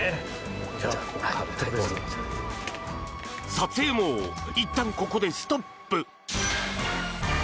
撮影もいったんここでストップ。